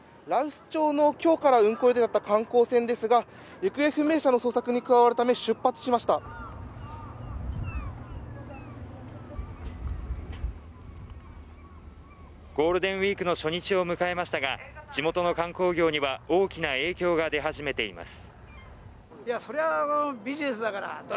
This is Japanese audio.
羅臼町の今日から運航予定だった観光船ですが行方不明者の捜索に加わるため出発しましたゴールデンウイークの初日を迎えましたが地元の観光業には大きな影響が出始めています